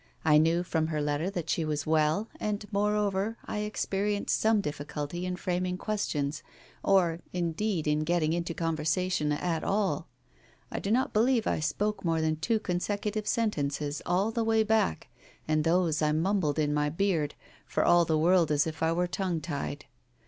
I knew from her letter that she was well, and moreover I experi enced some difficulty in framing questions, or indeed in getting into conversation at all. I do not believe I spoke more than two consecutive sentences all the way back, and those I mumbled in my beard, for all the world as if I were tongue tied.